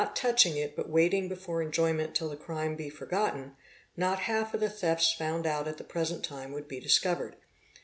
touching it but waiting before enjoyment till the crime be forgotten, not : half of the thefts found out at the present time would be discovered.